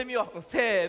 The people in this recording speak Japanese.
せの。